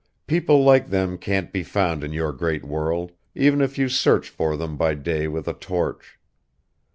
People like them can't be found in your great world even if you search for them by day with a torch